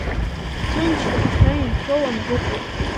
Ҭынчрак шәа ианшәоуа анбыкәу.